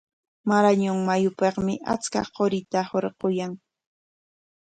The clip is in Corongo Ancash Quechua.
Marañon mayupikmi achka qurita hurquyan.